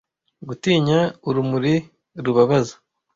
gutinya urumuri rubabaza